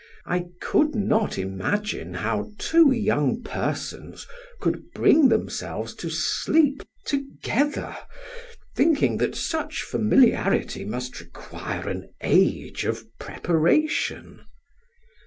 I could not imagine how two young persons could bring themselves to sleep together, thinking that such familiarity must require an age of preparation.